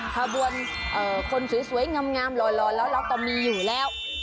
ขบวนคนสวยงามหล่อแล้วเราก็มีอยู่แล้ว